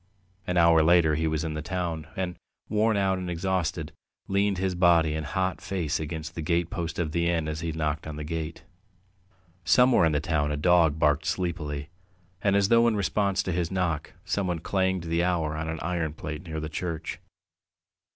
An hour later he was in the town, and, worn out and exhausted, leaned his body and hot face against the gatepost of the inn as he knocked at the gate. Somewhere in the town a dog barked sleepily, and as though in response to his knock, someone clanged the hour on an iron plate near the church.